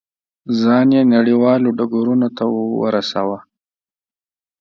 ځان یې نړیوالو ډګرونو ته ورساوه.